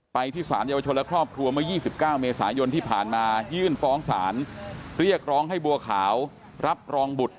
ไปที่สารเยาวชนและครอบครัวเมื่อ๒๙เมษายนที่ผ่านมายื่นฟ้องศาลเรียกร้องให้บัวขาวรับรองบุตร